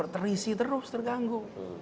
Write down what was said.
terisi terus terganggu